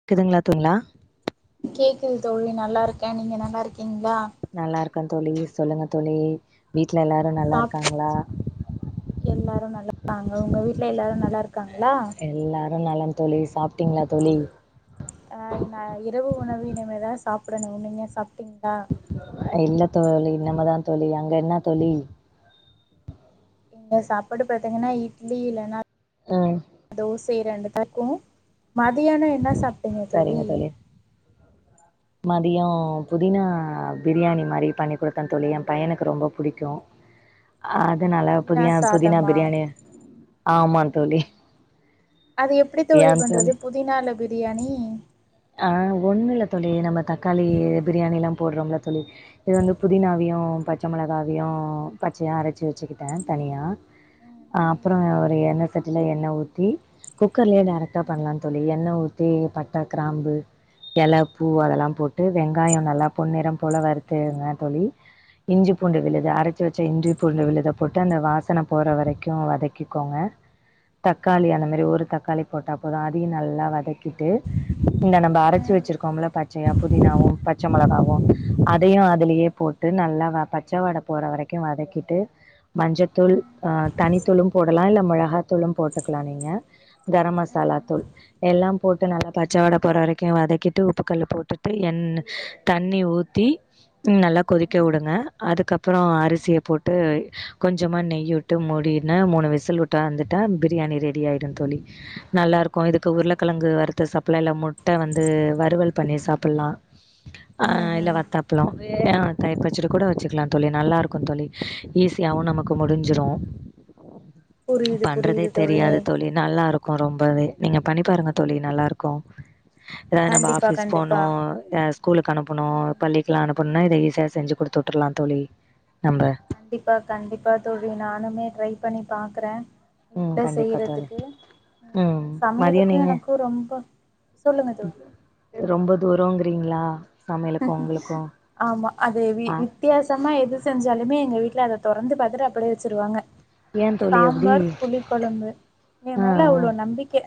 இருக்குதுங்ளா துங்ளா. கேக்குது தோழி நல்லாருக்கே. நீங்க நல்லாருக்கீங்ளா நல்லாருக்க. தோழி சொல்லுங்க தோழி வீட்ல எல்லாரு சாப் நல்லாருக்காங்ளா எல்லாரு நல்லாருக்காங்க உங்க வீட்ல. எல்லாரு நல்லாருக்காங்ளா எல்லாரு நலம்தோழி சாப்ட்டிங்ளா தோழி!. ஆ. நா இரவு உணவு இனிமேதா சாப்டணு நீங்க சாப்ட்டீங்ளா இல்ல தோழி இனிமே தா தோழி அங்க என்னா தோழி நீங்க சாப்பாடு பாத்தீங்கனா? இட்லி இல்லைனா. ஆ. தோசை ரெண்டுதட்டு மதியான என்ன சாப்ட்டீங்க தோழி. மதிய புதினா பிரியாணி மாரி பண்ணி குடுத்த தோழி ஏ பையனுக்கு ரொம்ப புடிக்கு ஆஹா அதுனால புதினா புதியா புதினா சாதமா பிரியாணி ஆமா தோழி! ம் அது எப்டி தோழி பண்டறது. புதினால பிரியாணி? ஆ ஒன்னுல தோழி, நம்ம தக்காளி பிரியாணில்லா போடுறோலதோழி. இது வந்து புதினாவையு, பச்சை மிளகாவயு பச்சையா அரைச்சி வச்சுக்கிட்ட. தனியா ம் ம் அப்பற ஒரு எண்ணெ சட்டில எண்ணெ ஊத்தி குக்கர்லயே டரக்டா ம் ம் பண்ணலா. தோழி எண்ணெ ஊத்தி பட்ட கிராம்பு இலப்பூ ம் அதெல்லா போட்டு. வெங்காய நல்லா பொன்னிற போல வறுத்துங்க. தோழி, இஞ்சி பூண்டு ம் விழுத அரைச்சு வச்ச இஞ்சி பூண்டு விழுத போட்டு அப்ற அந்த வாசனை போற வரைக்கு வதக்கிக்கோங்க. தக்காளி அந்த மாரி ஒரு தக்காளி போட்டா போது அதையு நல்லா வதக்கிட்டு. இந்த நம்ம அரைச்சு ம் வச்சிருக்கோம்ல. பச்சையா புதினாவு பச்சை மிளகாவு அதையு அதுலயே போட்டு நல்லா பச்ச வாட போற வரைக்கு வதக்கிட்டு மஞ்சத்தூள் அ தனித்தூளு போடலா இல்ல மிளகாத்தூளு போட்டுக்கலா நீங்க கரம் மசாலா தூள் எல்லா போட்டு நல்லா பச்சவாட போற வரைக்கு வதக்கிட்டு உப்பு கல் போட்டுட்டு எண் தண்ணி ஊத்தி நல்லா கொதிக்க ம் உடுங்க அதுக்கப் அப்பற அரிசிய போடடு கொஞ்சோமா நெய் உட்டு மூடியினா மூணு விசில் விட் ட்டு வந்துட்டா பிரியாணி ரெடி ஆயிடு தோழி நல்லா கொழந்தைக்கு உருளைக்கிழங்கு வறுத்து சாப்பாலா இல்ல முட்ட வந்து வறுவல் பண்ணி சாப்பலா ஆ ம் ம் இல்ல ம் வத்தாப் லாம் அ தயிர்ப்பச்சடி கூட வச்சுக்லா தோழி நல்லா இருக்கும் தோழி ஈஸியாவும் நமக்கு முடிஞ்சிடும் புரியுது புரியுது தோழி நல்லாருக்கு ரொம்பவே நீங்க பண்ணி பாருங்க தோழி நல்லாருக்கு ஏன்னா நம்ப கண்டிப்பா ஆஃபிஸ் போனோ கண்டிப்பா எஸ் கூலுக்கு அனுப்புணு பள்ளிக்குலா அனுப்புனா இத ஈஸியா செஞ்சு குடுத்துவுட்டுலா தோழி நம்ப கண்டிப்பா கண்டிப்பா தோழி நானுமே ட்ரை பண்ணி பாக்ற ம் வீட்ல கண்டிப்பா தோழி செய்றதுக்கு ம் மதியோ சமையலுக்கு நீங்க எனக்கு ரொம்ப சொல்லுங்க தோழி ரொம்ப தூரங்றீங்ளா ஆமா அது ஒரு வி ஆ உ வித்தியாசமா எது செஞ்சாலுமே எங்க வீட்ல அத தொறந்து பாத்துட்டு அப்டியே வச்சுருவாங்க ஏ தோழி அப்டி சாம்பார் புளிக்கொழம்பு என் மேல அவ்ளோ நம்பிக்க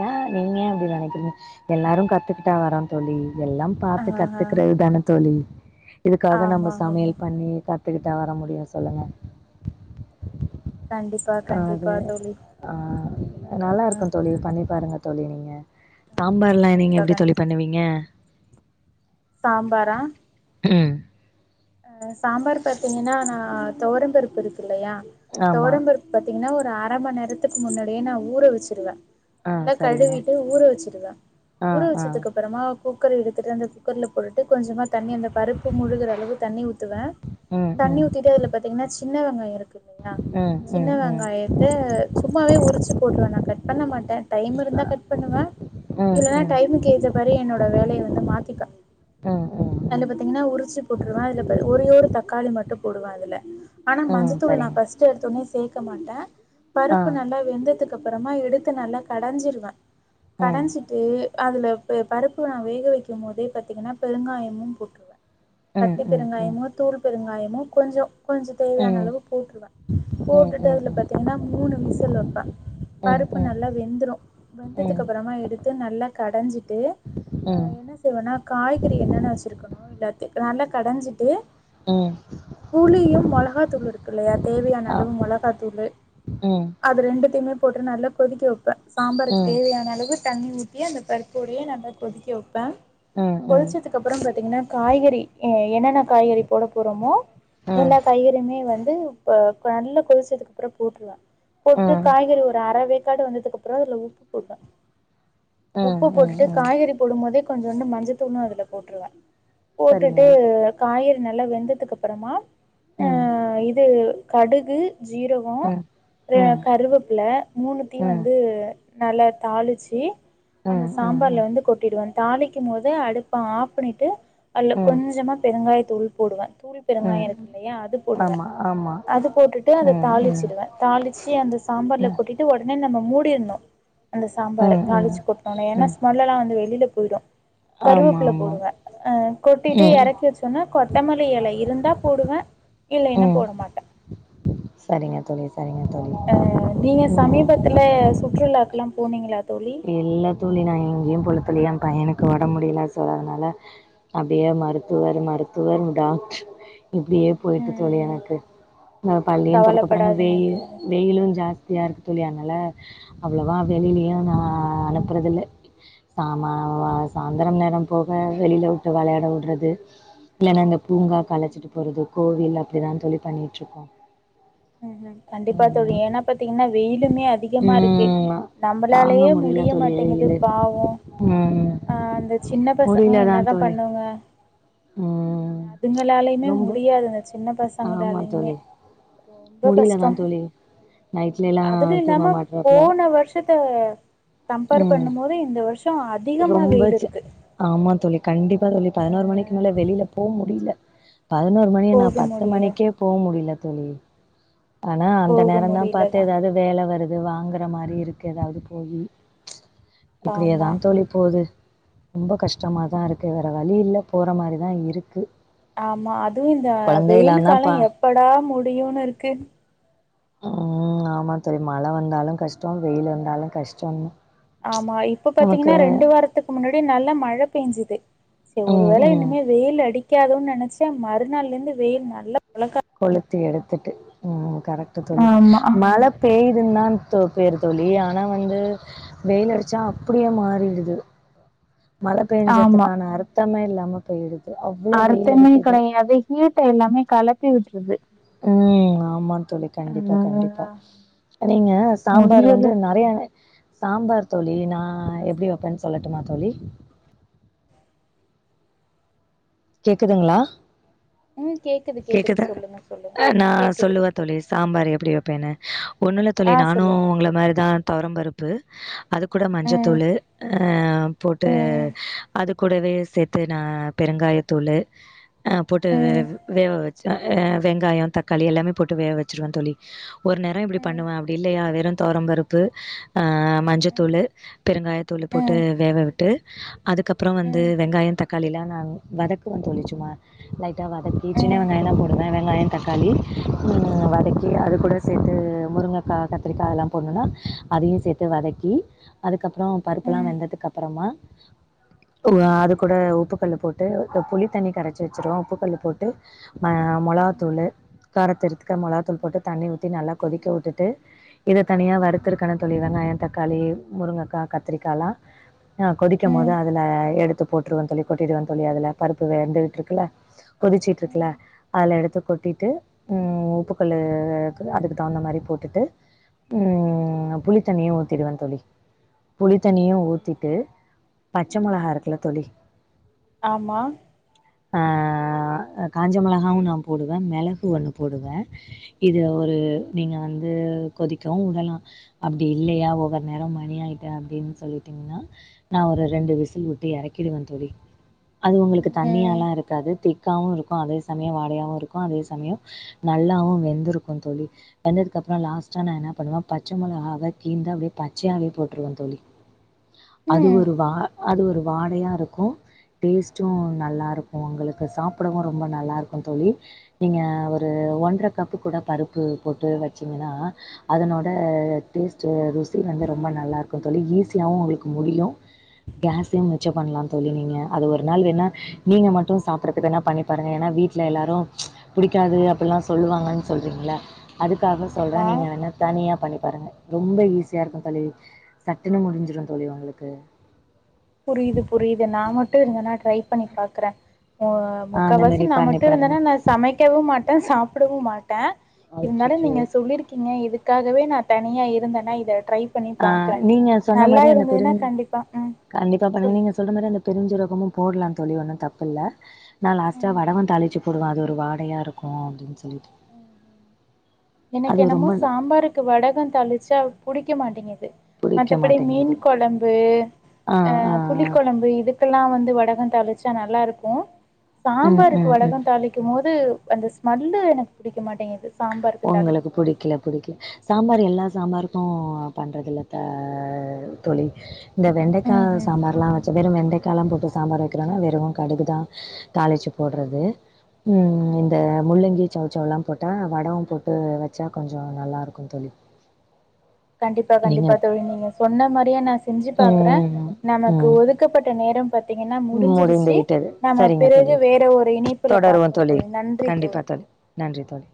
ஏ நீங்க ஏ அப்டி நெனைக்கிறீங்க எல்லாரு கத்துக்கிட்டா வரோ தோழி எல்லா ஆ பாத்து கத்துக்கிறது தானத்தோழி இதுக்காக ஆமா நம்ம ஆமா சமையல் பண்ணி கத் கத்துகிட்டா வர முடியு சொல்லுங்க பேன்டிஸ் அது ஆ நல்லா இருக்கும் தோழி பண்ணி பாருங்க தோழி நீங்க ஆ சாம்பார்லா நீங்க கண்டிப்பா எப்டி தோழி கண்டிப்பா பண்ணுவீங்க சாம்பாரா ம் சாம்பார் பாத்தீங்கின்னா நா தொவரம்பருப்பு இருக்கு இல்லயா ஆமா தொவரம்பருப் பாத்தீங்கன்னா ஒரு அர மண் நேரத்துக்கு முன்னாடியே நா ஊற வச்சிருவ ஆ நல்லா சரிங்க கழுவிட்டு ஊற வச்சிருவ ஆ ஊற ஆ வச்சதுக்கப் அப்புறமா குக்கர் எடுத்துட்டு அந்த குக்கர்ல போட்டு கொஞ்சமா தண்ணி அந்த பருப்பு முழுகிற அளவு தண்ணி ஊத் துவ ம் தண்ணி ம் ஊத்திட்டு அதுல பாத்தீங்கன்னா சின்ன வெங்காயம் இருக்கு இல்லயா ம் ம் சின்ன ம் ம் ம் வெங்காயத் த சும்மாவே உரிச்சு போட்ருவ நா கட் பண்ண மாட்ட டைம் இருந்தா கட் பண்ணுவ இல்லன்னா டைமுக்கு ஏத்தபடி என்னோட வேலய வந்து மாத்திப்ப ம் ம் அதுல ம் பாத்தீங்ன்னா உருச்சி போட் ருவ அதுல ஒரு ஒரு தக்காளி மட்டும் போடுவா அதுல ஆனா ம் மஞ்சத்தூள் நா சரிங்க பஸ் ட்டு எடுத்த ஒன்னே சேக்க மாட்ட ஆ பருப்பு நல்லா வெந்ததுக் அப்புறமா எடுத்து நல்லா கடஞ்சிடுவ ம் கடஞ்சிட்டு அதுல பருப்பு நா வேக வெக்கும் போதே பாத்தீங்கன்னா பெருங்காயமு போட்டு ம் கட்டி ம் ம் பெருங்காயமோ தூள் பெருங்காயமோ கொஞ்சம் கொஞ்சம் தேவையான ம் அளவு போட்ருவ ம் போட்டுட்டு ம் அதுல ம் பாத்தீங்கன்னா மூணு விசில் வெப்ப ம் பருப்பு ம் நல்லா வெந்துரு ம் வெந்ததுக்கு அப்புறமா எடுத்து நல்லா கடஞ்சிட்டு அ ம் என்ன செய்வேன்னா காய்கறி என்னென்ன வச்சிருக்கணோ எல்லாத்தையு நல்லா கடஞ்சிட்டு ம் புளியும் மொளகா தூள் இருக்கு இல்லயா தேவையான ஆ அளவு மொளகா தூளு ம் அது ரெண்டுத்தையுமே போட்டு நல்லா கொதிக்க வெப் ப்ப சாம்பாருக் ம் ம் தேவையான அளவு தண்ணி ஊத்தி அந்த பருப்போடையே நல்லா கொதிக்க வெப்ப ம் கொதுச்சதுக்கு அப்புறோம் பாத்தீங்கன்னா காய்கறி என்னென்ன காய்கறி போட போறோமோ ம் எல்லா காய்கறியுமே வந்து அ நல்லா கொதுச்சதுக்கு அப்றோ போட்ருவோ போட்டுட்டு ம் காய்கறி ஒரு அறவேக்காடு வந்ததுக்கு அப்றோ அதுல உப்பு போடுவ உப்பு போட்டுட்டு ம் ம் காய்கறி போடும் போதே கொஞ்சோண்டு மஞ்சத்தூளுமே அதுல போட்ருவ சரிங்க இல்ல காய்கறி நல்லா வெந்ததுக்கு அப்பறமா ம் இது கடுகு ஜீரகோ ம் ம் எ ம் கருவேப்புல மூணுத்தியு ம் ம் வந்து நல்லா தாளிச்சி அந்த ம் சாம்பார்ல வந்து கொட்டிடுவே தாளிக்கும் போதே அடுப்ப ஆஃப் பண்ணிட்டு அதுல ம் ம் கொஞ்சமா பெருங்காய தூள் போடுவே தூள் பெருங்காயோ இருக்கு இல்லையா அது போடுவே ஆமா ஆமா அது போட்டுட்டு அத ம் ம் தாளிச்சிடுவே தாளிச்சி அந்த சாம்பார்ல ம் கொட்டி ட்டு உடனே நம்ம மூடிர்னூ அந்த சாம்பார ம் ம் தாளிச்சு கொட்ணோனே ஏனா ம் ஸ்மெல்லெல்லா வந்து வெளில போயிடு ஆமா கருவப்புல ஆமா போடுவே ஆ கொட்டிட்டு ம் எறக்கி வெச்சோன்னே கொத்தமல்லி எல இருந்தா போடுவே இல்லேன்னா போடமாட்டே செரிங்க தோழி செரிங்க தோழி அ நீங்க ம் சமீபத்துலே சுற்றுலாக்குலா போனீங்களா தோழி இல்ல தோழி நா எங்யு போல தோழி எ பையனுக்கு ஒடம் முடியல சோ அதனால அப்டியே மருத்துவரு மருத்துவரு டாக்ட் இப்டியே போயிட்டு தோழி ம் எனக்கு அ பள்ளியு தொறக்கப்போறாங்க கவலப்படாதீங்க வெயில் தோழி வெயிலு ஜாஸ் தியா இருக்கு தோழி அனால அவ்ளவா வெளிலயு நா அனுப்றதுல்ல சாமா சாந்ரோ நேரோ போக வெளில வுட்டு வெளையாட வுடுறது இல்லனா இந்த பூங்காகு அழச்சிட்டு போறது கோவில் அப்டிதா தோழி பண்ணிட்டுருக்கோ ம் கண்டிப்பா தோழி ஏனா பாத்தீங்கன்னா வெயிலுமே அதிகமாருக்கு ம் தாங்க நம்பளாலேயே மு முடியல டிய தோழி மாட்டேங்குது வெயிலு பாவோ ம் அ அந்த சின்ன பசங்க முடியலதா என்னதா தோழி பண்ணுவே ம் அதுங்களாலயுமே ரொம்ப முடியாது அந்த சின்ன ஆமா பசங்களாலயுமே தோழி ரொம்போ முடியலதா கஷ்டோ தோழி நைட்லல்லா அதுல தூங்க இல்லாம மாட்றாப்ல போன வருஷ த்த கம்பேர் ம் பண்ணும் போதே இந்த வருஷோ அ ரொம்ப ச் ஆமா தோழி கண்டிப்பா தோழி பதினொரு மணிக்கு மேல வெளில போ முடில பதினொர் மணி என்னா போக பத்து முடியல. மணிக்கே போ முடில தோழி ஆனா அந்த போக நேரோ தா முடியல பாத்து தான். எதாது வேல வருது வாங்குற மாரி இருக்கு எதாவது போயி இப்டியே தா ஆமா. தோழி போது ரொம்ப கஷ்டமா தா ம். இருக்கு வேற வழி இல்ல போற மாரிதா இருக்கு ஆமா அதுவு இந்த வெயிலு கொழந்தைலாந்தா காலோ பா எப்படா முடியுனு இருக்கு ம் ஆமா தோழி மழ ம். வந்தாலு கஷ்டோ வெயிலு வந்தாலு கஷ்டோ தா ஆமா இப்ப பாத்தீங்கன்னா ரெண்டு வாரத்துக் முன்னாடி நல்லா மழ பேஞ்சுது செரி ம் ஒருவேள ம் இனிமே வெயில் அடிக்காதோ நெனச்சா மறுநாள்ல ருந்து வெயில் நல்லா பொழக்க கொளுத்தி எடுத்துட்டு ம் கரெக்ட் தோழி ஆமா மழ பேயுதுன் தா தோ பேரு தோழி ஆனா வந்து வெயில் அடிச்சா அப்டியே மாறிடுது மழ ஆமா பெஞ்சதுக்கான அர்த்தமே இல்லாம போயிடுது அவ்ளோ வெயில் அர்த்தமே அடிக்குது கெடையாது ஹீட்ட எல்லாமே கெலப்பி விட்டுறுது ம் ஆமா தோழி கண்டிப்பா கண்டிப்பா ம் நீங்க சாம்பார் முடியல வந்து நெறையா சாம்பார் தோழி நா எப்டி வெப்பேன் சொல்லட்டுமா தோழி கேக்குதுங்களா ம் கேக்குது சொல்லுங்க சொல்லுங்க நா கேக்குது சொல்லுவ தோழி சாம்பார் எப்டி வெப்பேனு ஒன்னுல தோழி ஆ நானு சொல்லுங்க உங்கள மாரிதான் துவரம்பருப்பு அது கூட ம் மஞ்சத்தூளு ஆ போட்டு ம் அது கூடவே சேத்து நா பெருங்காயத்தூளு ஆ போட்டு ம் வேக வெச்சு ஆ வெங்காயம் தக்காளி எல்லாமே போட்டு வேக வெச்சுருவேன் தோழி ஒரு நேரம் இப்டி ம் பண்ணுவேன் அப்டி இல்லையா வெரும் துவரம்பருப்பு ஆ ம் மஞ்சத்தூளு பெருங்காயத்தூளு போட்டு ம் வேவ விட்டு அதுக்கப்ற ம் ம் ம் வந்து ம் வெங்காய தக்காளிலா நானு வதக் குவே தோழி சும்மா லைட்டா வதக்கி சின்ன வெங்காய தா போடுவே வெங்காய தக்காளி ம் வதக்கி அது கூட சேத்து முருங்கக்கா கத்திரிக்கா அதெல்லா போட்ணுனா அதையு சேத்து வதக்கி அதுக்கப்றோ ம் ம் ம் பருப்புலா ம் வெந்ததுக்கப்பறமா ஓ வா அதுக்கூட உப்பு கல்லு போட்டு இப்ப புளித்தண்ணி கரைச்சு வெச்சிருவே உப்பு கல்லு போட்டு ம மொளகாத்தூளு காரத்த எடுத்துக்க மொளகாத்தூளு போட்டு தண்ணி ஊத்தி நல்லா கொதிக்க வுட்டுட்டு இத தனியா வறுத்துருக்கனு தோழி வெங்காய தக்காளி முருங்கக் கா கத்திரிக்காலா ஆ கொதிக்க போதே அதுல எடுத்து போட்ருவே தோழி கொட்டிடுவே தோழி அதுல பருப்பு வெந்துக்கிட்ருக்குல கொதிச்சுகிட்ருக்குல ம் அதுல எடுத்து கொட்டிட்டு ம் உப்பு கொள்ளுக்கு அதுக்கு தகுந்த மாரி போட்டுட்டு ம் நா புளித்தண்ணியு ஊத்திடுவே தோழி புளித்தண்ணியு ம் ஊத்திட்டு பச்ச ம் ம் மொளகா இருக்குல தோழி ஆமா ஆ அ காஞ்ச மொளகாவு நா போடுவே மெளகு ஒன்னு போடுவே இதுல ஒரு நீங்க வந்து கொதிக்கவு விடலா அப்டி இல்லையா ஒவ்வொரு நேர மணி ஆயிட்டு அப்டின் சொல்லிட்டீங்கனா நா ஒரு ரெண்டு விசில் விட்டு எறக்கிடுவே தோழி அது ஒங்களுக்கு ம் தண்ணியாலா இருக்காது திக்காவு இருக்கு அதே சமய வாடையாவு இருக்கு அதே சமய நல்லாவு வெந்துருக்கு தோழி வெந்ததுக்கு அப்றோ லாஸ்டா நா என்ன பண்ணுவே பச்ச மொளகாவ கீன்ட்டு அப்டியே பச்சையாவே போட்ருவே தோழி அது ம் ஒரு வா அது ஒரு வாடையா இருக்கு டேஸ்ட்டு நல்லாருக்கு உங்களுக்கு சாப்புடவு ரொம்ப நல்லா இருக்கு தோழி நீங்க ஒரு ஒன்ர கப்பு கூட பருப்பு போட்டு வெச்சிங்கனா அதனோட டேஸ்ட்டு ருசி வந்து ரொம்ப நல்லா இருக்கு தோழி ஈஸியாவு உங்களுக்கு முடியு கேஸையு மிச்ச பண்லா தோழி நீங்க அது ஒரு நாள் வேணா நீங்க மட்டு சாப்புட்றதுக்கு வேணா பண்ணி பாருங்க ஏனா வீட்ல எல்லாரு புடிக்காது அப்பிட்லா சொல்லுவாங்கன் சொல்றீங்ள அதுக்காக சொல்றே ஆமா நீங்க என்ன தனியா பண்ணி பாருங்க ரொம்ப ஈசியா இருக்கு தோழி சட்டுன்னு முடிஞ்சிரு தோழி உங்களுக்கு புரியுது புரியுது நா மட் டு இருந்தனா ட்ரை பண்ணி பாக்குறே ஆ ஆ அந்த முக்கவாசி மாரி நா பண்ணி மட்டு பாருங்க. இருந்தனா நா சமைக்கவு மாட்டே சாப்புடவு மாட்டே இருந்தாலு அச்சச்சோ! நீங்க சொல்லிருக்கீங்க இதுக் க்காகவே நா தனியா இருந்தனா இத ட்ரை பண்ணி ஆ பாக்குறே நீங்க சொன்ன நல்லா மாரி அந்த இருந்ததுனா பெருஞ் கண்டிப்பா ம் கண்டிப்பா பண்ணுங்க சொல்லு நீங்க சொல்ற மாரி அந்த பெருஞ் சீரகமு போட்லா தோழி ஒன்னு தப்பில்ல நா லாஸ்ட்டா ம் வடக தாளிச்சு போடுவே அது ஒரு வாடையா இருக்கு அப்டின் சொல்லிட்டு ம் எனக்கு அது என்னமோ ரொம்ப ந சாம்பாருக் க்கு வடக தளிச்சா புடிக்க மாட்டிங்கிது புடிக்க மத்தப்படி மீன் மாட்டேங்குது. கொழம்பு ஆ புளிக் கொழம்பு இதுக்குலா வந்து வடக தாளிச்சா நல்லாருக்கு ம், சாம்பாருக்கு ம், ம். வடக தாளிக் க்கு போது அந்த ஸ்மெல்லு எனக்கு புடிக்க மாட்டேங்குது சாம்பாருக்கு ஒங்களுக்கு தாளிக்கும்போது. புடிக்கல புடிக்கல சாம்பார் எல்லா சாம்பாருக்கு பண்றதில்ல த தோழி இந்த வெண்டக்கா ம்ஹ்ம் சாம்பார்லா வெச்சி வெறு வெண்டக்காலா போட்டு சாம்பார் வைக்கிறோல வெறு கடுகுதா தாளிச்சி போட்றது ம் இந்த முள்ளங்கி சச் சவ்லா போட் டா வடவ போட்டு வச்சா கொஞ்ச நல்லா இருக்கு தோழி கண்டிப்பா நீங்க கண்டிப்பா தோழி‌ நீங்க சொன்ன மாரியே நா செஞ்சி பாக்றே ம், நமக்கு ம். ஒதுக் கப்பட்ட நேரம் பாத் தீங்கன்னா முடிந்து முடிஞ்சிருச்சி விட்டது. நம்ம சரிங்க பிறகு தோழி. வேற ஒரு இணைப்புல பாப்போ தோழி நன்றி தோழி நன்றி தோழி